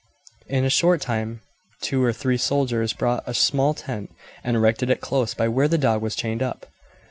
In a short time two or three soldiers brought a small tent and erected it close by where the dog was chained up.